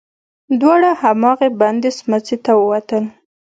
دواړه هماغې بندې سمڅې ته ووتل.